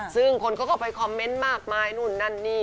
ซึ่งคนก็เข้าไปคอมเมนต์มากมายนู่นนั่นนี่